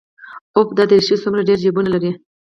اوف دا دريشي څومره ډېر جيبونه لري.